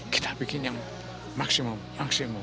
kita bikin yang maksimum